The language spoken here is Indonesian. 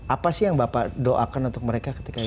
apa sih yang bapak doakan untuk mereka ketika itu